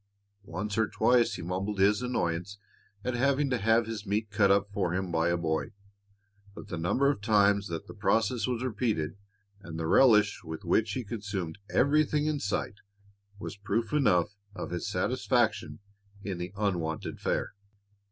Once or twice he mumbled his annoyance at having to have his meat cut up for him by a boy, but the number of times that the process was repeated and the relish with which he consumed everything in sight was proof enough of his satisfaction in the unwonted fare.